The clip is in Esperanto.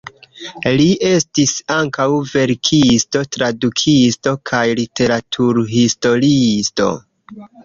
Li estis ankaŭ verkisto, tradukisto kaj literaturhistoriisto.